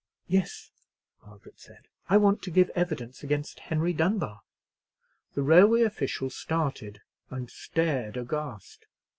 "Yes," Margaret said; "I want to give evidence against Henry Dunbar." The railway official started, and stared aghast.